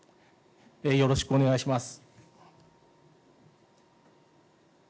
よろしくお願いします。